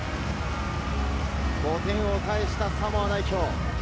５点を返した、サモア代表。